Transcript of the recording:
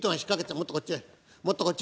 もっとこっちへ。